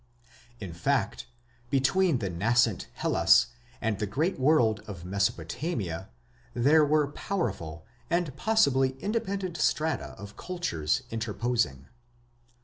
In fact, between the nascent Hellas and the great world of Mesopotamia there were powerful and possibly independent strata of cultures interposing."